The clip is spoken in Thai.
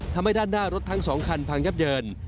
ทำให้ด้านหน้ารถทั้ง๒คันพังยับเยิน